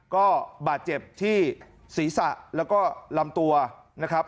ก็บาดเจ็บที่ศีรษะแล้วก็ลำตัวนะครับ